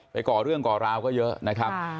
ก่อเรื่องก่อราวก็เยอะนะครับ